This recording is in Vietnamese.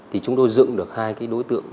thì chúng tôi dựng được hai đối tượng